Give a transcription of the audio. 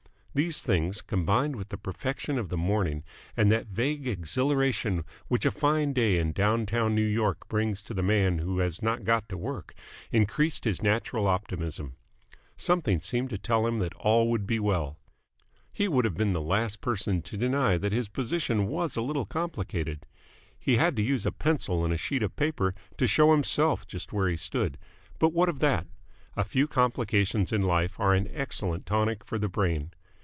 These things, combined with the perfection of the morning and that vague exhilaration which a fine day in down town New York brings to the man who has not got to work, increased his natural optimism. Something seemed to tell him that all would be well. He would have been the last person to deny that his position was a little complicated he had to use a pencil and a sheet of paper to show himself just where he stood but what of that? A few complications in life are an excellent tonic for the brain.